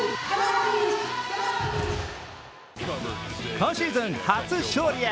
今シーズン初勝利へ。